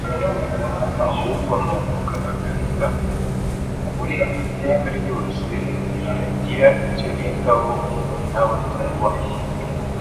ahubwo ni ukugaragariza ukuri kw’iteka ryose abatagira icyo bitaho n’abatubaha.